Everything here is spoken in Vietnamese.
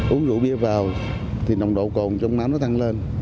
uống gũ bia vào thì nồng độ cồn trong máu nó thăng lên